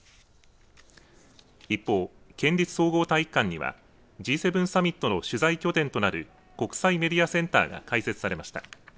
一方、県立総合体育館にはＧ７サミットの取材拠点となる国際メディアセンターが開設されました。